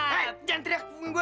hei jangan teriak ke punggung gue